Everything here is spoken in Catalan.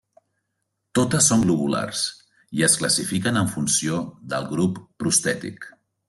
Totes són globulars, i es classifiquen en funció del grup prostètic.